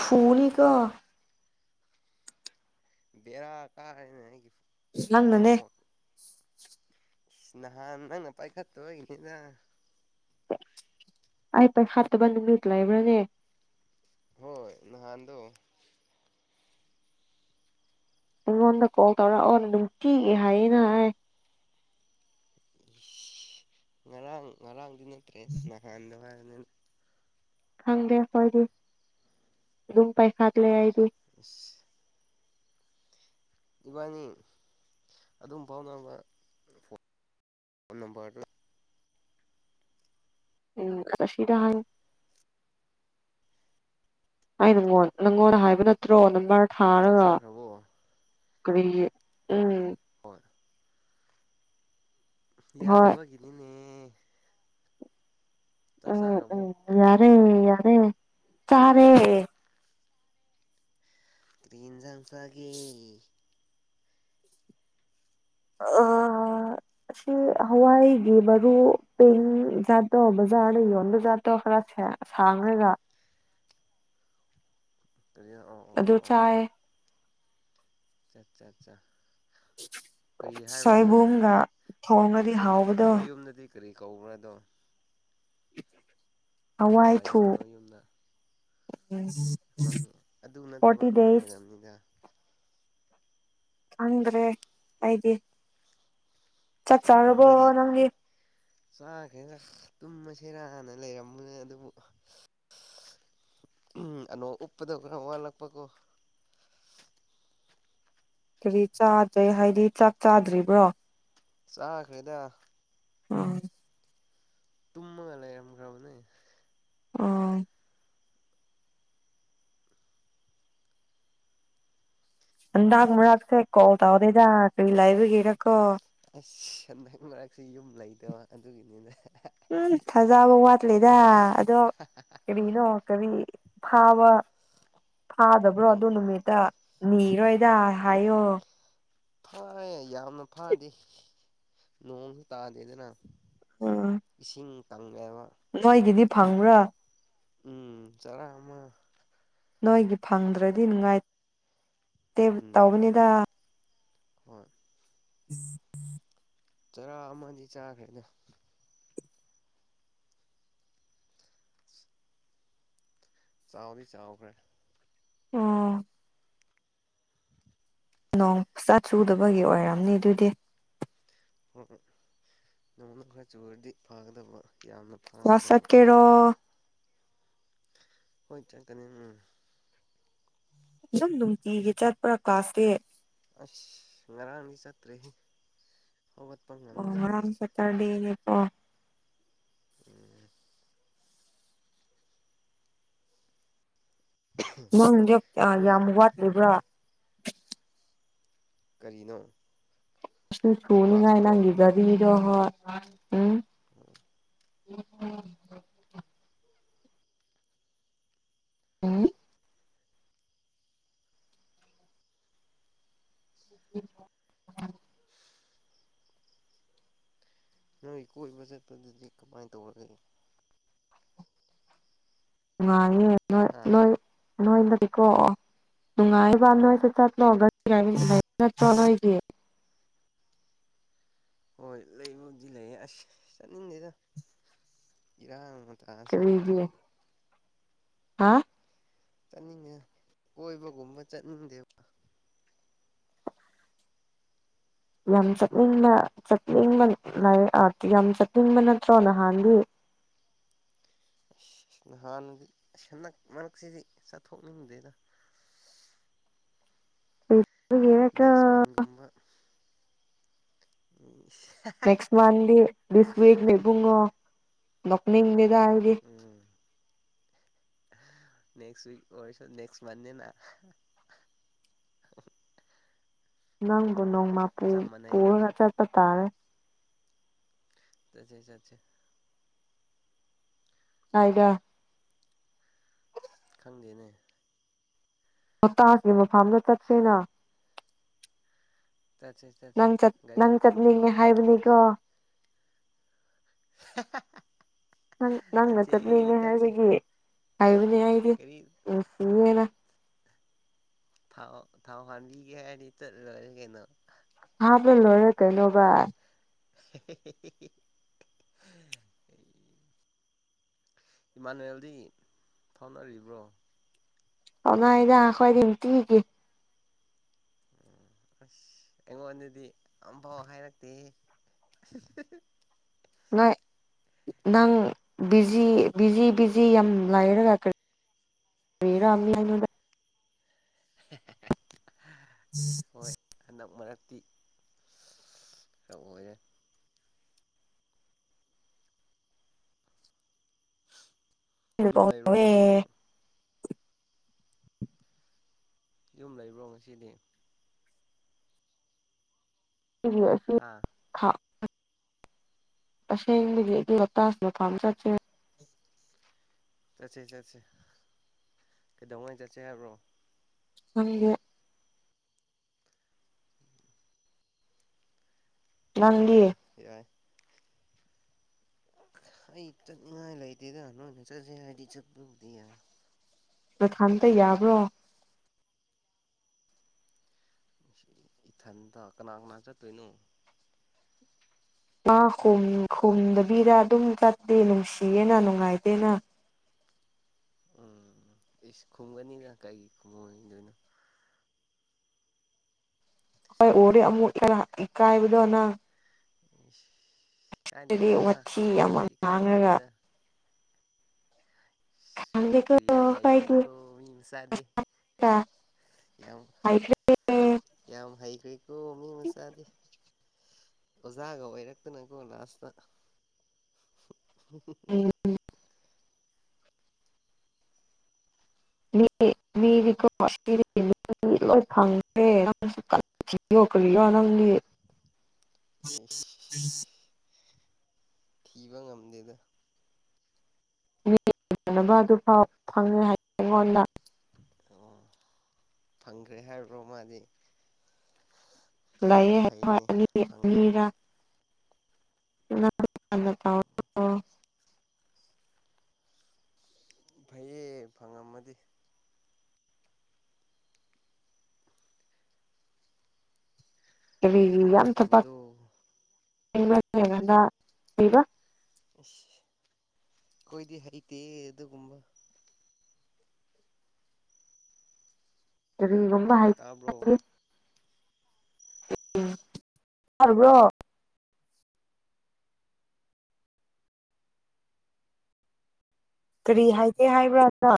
ꯐꯨꯅꯤꯒ ꯕꯦꯔꯥ ꯀꯥꯦꯅ ꯑꯩꯒꯤ ꯅꯪꯅꯅꯦ ꯅꯦꯠꯋꯥꯛ ꯅꯍꯥꯟ ꯅꯪꯅ ꯄꯥꯏꯈꯠꯇ ꯑꯣꯏꯅꯤꯗ ꯑꯩ ꯄ ꯍꯥꯠꯇꯕꯅ ꯃꯤꯠꯂꯑꯕ꯭ꯔꯅꯦ ꯍꯣꯏ ꯅꯍꯥꯟꯗ ꯑꯩꯉꯣꯟꯗ ꯀꯣꯜ ꯇꯧꯔ ꯑꯣꯅ ꯑꯗꯨꯝ ꯊꯤꯒꯦ ꯍꯥꯏꯌꯦꯅ ꯍꯥꯏ ꯉꯔꯥꯡ ꯉꯔꯥꯡꯗꯤ ꯅꯠꯇ꯭ꯔꯦ ꯅꯍꯥꯟꯗ ꯍꯥꯏꯔꯅꯤ ꯈꯪꯗꯦ ꯑꯩꯣꯏꯗꯤ ꯑꯗꯨꯝ ꯄꯥꯏꯈꯥꯠꯂꯦ ꯑꯩꯗꯤ ꯑꯣꯐ ꯏꯕꯥꯅꯤ ꯑꯗꯨꯝ ꯐꯥꯎꯅꯕ ꯐꯣꯟ ꯅꯝꯕꯔꯗ ꯎꯝ ꯑ ꯁꯤꯗ ꯍꯥꯏ ꯑꯩ ꯅꯪꯉꯣꯟ ꯅꯪꯉꯣꯟꯜꯗ ꯍꯥꯏꯕ ꯅꯠꯇ꯭ꯔꯣ ꯅꯝꯕꯔ ꯆꯥꯛ ꯊꯥꯔꯒ ꯆꯥꯈ꯭ꯔꯕꯣ ꯎꯝ ꯍꯣꯏ ꯍꯣꯏ ꯌꯥꯗꯕꯒꯤꯅꯤꯅꯦ ꯆꯥꯛ ꯎꯝ ꯆꯥꯈ꯭ꯔꯕꯣ ꯎꯝ ꯌꯥꯔꯦ ꯌꯥꯔꯦ ꯇꯔꯦ ꯀ꯭ꯔꯤꯟꯖꯥꯡꯁꯒꯦ ꯑꯣ [inaudible] ꯑꯁꯤ ꯍꯋꯥꯏꯒꯤ ꯃꯔꯕꯥꯨ ꯄꯦꯡ ꯖꯥꯠꯇꯣ ꯕꯖꯥꯔꯗ ꯌꯣꯟꯕ ꯖꯥꯠꯇꯣ ꯈꯔꯁꯦ ꯁꯥꯡꯔꯒ ꯀꯔꯤ ꯑꯣ ꯑꯣ ꯑꯗꯨ ꯑꯣ ꯆꯥꯏꯌꯦ ꯑꯆꯥ ꯆꯆꯥ ꯁꯣꯏꯕꯨꯝꯒ ꯊꯣꯡꯉꯗꯤ ꯍꯥꯎꯕꯗ ꯅꯣꯏ ꯌꯨꯝꯗꯗꯤ ꯀꯔꯤ ꯀꯧꯕ꯭ꯔꯗꯣ ꯍꯋꯥꯏꯗꯣ ꯍꯋꯥꯏꯊꯣꯛ ꯅꯣꯏ ꯃꯃꯤ ꯑꯗꯨ ꯅꯠꯇꯕ ꯑꯃ ꯂꯩꯔꯕꯝꯅꯤꯗ ꯈꯪꯗ꯭ꯔꯦ ꯑꯩꯗꯤ ꯆꯥꯛ ꯑ ꯆꯥꯔꯕꯣ ꯃꯥꯔꯤ ꯅꯪꯗꯤ ꯆꯥꯈꯦꯗ ꯇꯨꯝꯃꯁꯦꯔꯥꯟꯅ ꯂꯩꯔꯝꯕꯅꯦ ꯑꯗꯨꯕꯨ ꯎ ꯑꯅꯣ ꯎꯞꯄꯗ ꯈꯔ ꯋꯥꯠꯂꯛꯄꯀꯣ ꯀꯔꯤ ꯆꯥꯗ꯭ꯔꯦ ꯍꯥꯏꯗꯤ ꯆꯥꯛ ꯆꯥꯗ꯭ꯔꯤꯕ꯭ꯔꯣ ꯆꯥꯈꯩꯗ ꯎꯝ ꯇꯨꯝꯃꯒ ꯂꯩꯔꯝꯈ꯭ꯔꯕꯅꯦ ꯑ ꯑꯗꯥꯛ ꯃꯔꯥꯛꯁꯦ ꯀꯣꯜ ꯇꯥꯎꯗꯗꯥꯛ ꯀ ꯂꯩꯥꯏꯕꯒꯦꯔꯀꯣ ꯑꯁ ꯍꯟꯗꯛ ꯃꯔꯛꯁꯨ ꯌꯨꯝ ꯂꯩꯗꯕ ꯑꯗꯨꯒꯤꯅꯤꯅ ꯎꯝ ꯊꯥꯖꯕ ꯋꯥꯠꯂꯦꯗ ꯑꯗꯣ ꯀꯔꯤꯅꯣ ꯀꯔꯤ ꯐꯥꯕ ꯐꯥꯗꯕ꯭ꯔꯣ ꯑꯗꯨꯗ ꯅꯨꯃꯤꯠꯇ ꯅꯔꯣꯣꯏꯗ ꯍꯥꯏꯣ ꯐ ꯌꯥꯝꯅ ꯐꯥꯗꯤ ꯅꯣꯡꯁꯨ ꯇꯥꯗꯦꯗꯅ ꯎꯝ ꯏꯁꯤꯡ ꯀꯪꯉꯕ ꯅꯣꯏꯒꯤꯗꯤ ꯐꯪꯕ꯭ꯔꯥ ꯎꯝ ꯆꯔ ꯑꯃ ꯅꯣꯏꯒꯤ ꯐꯪꯗ꯭ꯔꯗꯤ ꯅꯨꯡꯉꯥꯏꯇꯦ ꯎꯝ ꯇꯧꯕꯅꯤꯗ ꯍꯣꯏ ꯎꯝ ꯎꯝ ꯆꯔꯥ ꯑꯃꯗꯤ ꯆꯥꯈ꯭ꯔꯦꯗ ꯆꯥꯎꯗꯤ ꯆꯥꯎꯈ꯭ꯔꯦ ꯎ ꯅꯣꯡ ꯆꯥ ꯆꯨꯗꯕꯒꯤ ꯑꯣꯏꯔꯝꯅꯤ ꯑꯗꯨꯗꯤ ꯅꯣꯡꯅ ꯆꯨꯔꯗꯤ ꯄꯥꯒꯗ ꯌꯥꯝꯅ ꯋꯥꯁꯠ ꯐꯒꯗꯕ ꯀꯦꯔꯣ ꯍꯣꯏ ꯆꯠꯀꯅꯤ ꯎꯝ ꯑꯗꯨꯝ ꯅꯨꯡꯇꯤꯒꯤ ꯆꯠꯄ꯭ꯔꯥ ꯀ꯭ꯂꯥꯁꯁꯦ ꯑꯁ ꯉ꯭ꯔꯥꯡꯅꯤ ꯆꯠꯇ꯭ꯔꯦꯦ ꯍꯕ ꯑꯣ ꯉꯝ ꯁꯇꯔꯗꯦꯣ ꯎꯝ ꯅꯪꯗꯤ ꯅꯣꯏ ꯌꯥꯝ ꯋꯥꯠꯂꯤꯕ꯭ꯔꯥ ꯀꯔꯤꯅꯣ [unintelligible] ꯅꯤꯡꯉꯥꯏ ꯀ꯭ꯂꯥꯁꯇꯨꯔꯣ ꯅꯪꯒꯤꯗ ꯗꯤꯒꯤꯗꯣ ꯍꯣꯏ ꯎꯝ ꯎꯝ [unintelligible] ꯎꯝ [unintelligible] ꯅꯣꯏꯒꯤ ꯀꯣꯏꯕ ꯆꯠꯄꯗꯨꯗꯤ ꯀꯃꯥꯏꯅ ꯇꯧꯔꯒꯦ ꯉꯅꯨ [unintelligible] ꯅꯣꯏ ꯍꯥ ꯅꯣꯏ ꯅꯣꯏꯅꯗꯤꯀꯣ ꯅꯨꯡꯉꯥꯏꯕ ꯅꯣꯏꯗ ꯆꯠꯂꯣ ꯒꯥ ꯒꯥꯔꯤ [unintelligible] ꯅꯠꯇ꯭ꯔꯣ ꯅꯣꯏꯒꯤ ꯍꯣꯏ ꯂꯩꯕꯨꯗꯤ ꯂꯩ ꯌꯦ ꯑꯁ ꯆꯠꯅꯤꯡꯗꯦꯗ ꯏꯔꯥꯡ ꯇꯥꯁꯤꯒ ꯀꯔꯤꯒꯤ ꯍꯥ ꯆꯠꯅꯤꯡꯉꯦ ꯀꯣꯏꯕꯒꯨꯝꯕ ꯆꯠꯅꯤꯡꯗꯦꯕ ꯌꯥꯝ ꯆꯠꯅꯤꯡꯕ ꯆꯠꯅꯤꯡꯕ ꯂꯥꯏ ꯑ ꯌꯥꯝ ꯆꯠꯅꯤꯡꯕ ꯅꯠꯇ꯭ꯔꯣ ꯅꯍꯥꯟꯗꯤ ꯅꯍꯥꯟꯅꯗꯤ ꯑꯁ ꯍꯟꯗꯛ ꯃꯔꯛꯁꯤꯗꯤ ꯆꯠꯊꯣꯛꯅꯤꯡꯗꯦꯗ ꯎꯝ ꯅꯦꯛꯁ ꯃꯟ ꯒꯨꯝꯕ ꯎꯝ [unintelligible] ꯋꯥꯟꯗꯤ ꯗꯤꯁ ꯋꯤꯛ ꯅꯦ ꯏꯕꯨꯡꯉꯣ ꯅꯣꯛꯅꯤꯡꯗꯦꯗ ꯍꯧꯖꯤꯛ ꯎꯝ ꯅꯦꯛꯁ ꯋꯤꯛ ꯑꯣꯏꯔꯁꯨ ꯅꯦꯛꯁ ꯃꯟꯅꯦꯅ ꯅꯪꯕꯨ ꯅꯣꯡꯃꯨ ꯄꯨ ꯆꯞ ꯃꯥꯟꯅꯩꯅ ꯄꯨꯔꯒ ꯆꯠꯄ ꯇꯥꯔꯦ ꯆꯠꯁꯦ ꯆꯠꯁꯦ ꯍꯥꯏꯗ ꯈꯪꯗꯦꯅꯦ ꯍꯞꯇꯥꯁꯤ ꯃꯐꯥꯝꯗ ꯆꯠꯁꯦꯅ ꯇꯦꯠꯁ ꯏꯠ ꯅꯪ ꯆꯠ ꯅꯪ ꯆꯠꯅꯤꯡꯉꯦ ꯍꯥꯏꯕꯅꯤꯀꯣ [unintelligible] ꯅꯪ ꯅꯪꯅ ꯆꯠꯁꯦ ꯆꯠꯅꯤꯡꯉꯦ ꯆꯠꯁꯦ ꯍꯥꯏꯕꯒꯤ ꯍꯥꯏꯕꯅꯦ ꯑꯩꯗꯤ ꯒꯥꯔꯤ ꯅꯨꯡꯁꯤꯌꯦꯅ ꯊꯥꯎ ꯊꯥꯎ ꯍꯥꯟꯕꯤꯒꯦ ꯍꯥꯏꯔꯗꯤ ꯆꯠ ꯂꯣꯏꯔꯦ ꯀꯩꯅꯣ ꯍꯥꯞꯄ ꯂꯣꯏꯔꯦ ꯀꯩꯅꯣꯕ [unintelligible] ꯍ ꯑꯩ ꯏꯃꯥꯅꯨꯋꯦꯜꯗꯤ ꯐꯥꯎꯅꯔꯤꯕ꯭ꯔꯣ ꯐꯥꯎꯅꯔꯤꯗ ꯑꯩꯈꯣꯏꯗꯤ ꯅꯨꯡꯇꯤꯒꯤ ꯎꯝ ꯑꯁ ꯑꯩꯉꯣꯟꯗꯗꯤ ꯑꯝꯐꯥꯎ ꯍꯥꯏꯔꯛꯇꯦ [unintelligible] ꯉꯥꯏ [unintelligible] ꯅꯪ ꯕꯤꯖꯤ ꯕꯤꯖꯤ ꯕꯤꯖꯤ ꯌꯥꯝ ꯂꯥꯏꯔꯒ ꯀꯔꯤ ꯐꯦ ꯔꯥꯝ ꯃꯤ ꯑꯩ ꯉꯣꯟꯗ [unintelligible] ꯎꯝ [unintelligible] ꯍꯣꯏ ꯍꯟꯗꯛ ꯃꯔꯛꯇꯤ [unintelligible] ꯈꯔ ꯑꯣꯏꯔꯦ ꯌꯨꯝ ꯀꯣꯜ ꯂꯩꯕ꯭ꯔꯣ ꯇꯧꯋꯦ ꯉꯁꯤꯗꯤ ꯑꯩꯒꯤ ꯌꯨꯝ ꯂꯩꯕ꯭ꯔꯣ ꯉꯁꯤꯗꯤ [unintelligible] ꯑꯥ ꯑꯁꯦꯡꯕꯗꯤ ꯑꯩꯗꯤ ꯍꯞꯇꯥꯁꯤꯗ ꯐꯥꯝ ꯆꯠꯁꯦ ꯆꯠꯁꯤ ꯆꯠꯁꯤ ꯀꯩꯗꯧꯉꯩ ꯆꯠꯁꯦ ꯍꯥꯏꯕ꯭ꯔꯣ ꯈꯪꯗꯦ ꯅꯪꯗꯤ ꯆꯠꯂꯨꯁꯤꯗ ꯌꯥꯏ ꯑꯩ ꯆꯠꯅꯤꯡꯉꯥꯏ ꯂꯩꯇꯦꯗ ꯅꯣꯏꯅ ꯆꯠꯁꯦ ꯍꯥꯏꯔꯗꯤ ꯆꯠꯄꯕꯨꯗꯤ ꯌꯥꯏ ꯅꯊꯥꯟꯇ ꯌꯥꯕ꯭ꯔꯣ ꯏꯊꯟꯇ ꯀꯅꯥ ꯀꯅꯥ ꯆꯠꯇꯣꯏꯅꯣ ꯃꯥ ꯅꯣꯏ ꯈꯨꯝꯗꯕꯤꯗ ꯑꯗꯨꯝ ꯆꯠꯇꯦ ꯅꯨꯡꯁꯤꯌꯦꯅ ꯅꯨꯡꯉꯥꯏꯇꯦꯅ ꯎꯝ ꯏꯁ ꯈꯨꯝꯒꯅꯤꯅ ꯀꯩꯒꯤ ꯈꯨꯝꯉꯣꯏꯗꯣꯏꯅꯣ ꯍꯣꯏ ꯑꯣꯔꯦ ꯑꯃꯨꯛ ꯏ ꯏꯀꯥꯥꯏꯗꯣꯅ ꯑꯗꯨꯗꯤ ꯀꯥꯥꯏꯗꯦꯗꯥ ꯋꯥꯊꯤ ꯌꯥꯝ ꯑꯦ ꯉꯥꯡꯔꯒ ꯀꯥꯏꯕꯤꯗꯦꯗ ꯈꯪꯗꯦꯀꯣ ꯎꯅꯤꯄꯨꯔꯤꯌꯥ ꯍꯥꯏꯩꯈꯔꯩ ꯈꯣꯏꯗꯤ ꯀ ꯃꯤ ꯃꯆꯥꯥꯗꯦ ꯑꯩꯈꯦ ꯌꯥꯝ ꯍꯩꯈ꯭ꯦꯀꯣ ꯃꯤ ꯃꯆꯥꯥꯗꯤ ꯑꯣꯖꯥꯒ ꯑꯣꯏꯔꯛꯇꯅꯀꯣ ꯂꯥꯁꯇ [unintelligible] ꯎꯝ ꯃꯤ ꯃꯤ ꯀꯣ ꯗꯤ ꯂꯣꯏ ꯐꯪꯗ꯭ꯔꯦ ꯅ ꯀꯤꯌꯣ ꯀꯔꯣ ꯅꯪꯒꯤ ꯑꯣꯐ ꯊꯤꯕ ꯉꯝꯗꯦꯗ ꯌꯦꯅꯅꯕ ꯑꯗꯨꯐꯥꯎ ꯐꯪꯉꯦ ꯍꯥꯏ ꯑꯩꯉꯣꯟꯗ ꯑꯣ ꯐꯪꯈ꯭ꯔꯦ ꯍꯥꯏꯔꯤꯕ꯭ꯔꯣ ꯃꯥꯗꯤ ꯂꯩꯑꯦ ꯍꯣꯏ ꯐꯩꯅꯦ ꯑꯅꯤ ꯐꯪ ꯑꯅꯤꯔꯥ [unintelligible] ꯇꯥꯎ ꯐꯩꯌꯦ ꯐꯪꯉꯝꯃꯗꯤ꯫ ꯀꯔꯤꯒꯤ ꯑꯩꯈꯣꯏꯗꯤ ꯌꯥꯝ ꯊꯕꯛ ꯍꯩꯇꯕꯗꯣ ꯀꯩꯕ꯫ ꯑꯁ ꯑꯩꯈꯣꯏꯗꯤ ꯍꯩꯇꯦ ꯑꯗꯨꯒꯨꯝꯕ꯫ ꯀꯔꯤꯒꯨꯝꯕ ꯍꯥꯏ꯫ ꯇꯥꯕ꯭ꯔꯣ ꯎꯝ ꯇꯔꯤꯕ꯭ꯔꯣ꯫ ꯀꯔꯤ ꯍꯥꯏꯒꯦ ꯍꯥꯏꯕ꯭ꯔꯥꯅ꯫